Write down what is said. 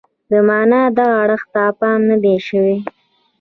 د معنا دغه اړخ ته پام نه دی شوی.